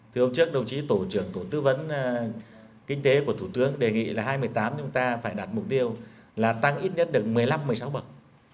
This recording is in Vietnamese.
thứ hôm trước đồng chí tổ trưởng tổ tư vấn kinh tế của thủ tướng đề nghị là hai mươi tám chúng ta phải đạt mục tiêu là tăng ít nhất được một mươi năm một mươi sáu bậc